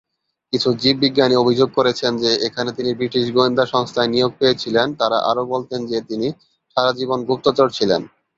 কিছু জীববিজ্ঞানী অভিযোগ করেছেন যে এখানে তিনি ব্রিটিশ গোয়েন্দা সংস্থায় নিয়োগ পেয়েছিলেন, তারা আরও বলতেন যে তিনি সারাজীবন গুপ্তচর ছিলেন।